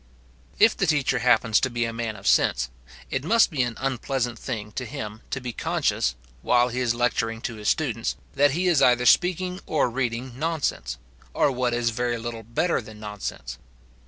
If the teacher happens to be a man of sense, it must be an unpleasant thing to him to be conscious, while he is lecturing to his students, that he is either speaking or reading nonsense, or what is very little better than nonsense.